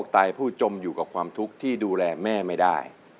ตายผู้จมอยู่กับความทุกข์ที่ดูแลแม่ไม่ได้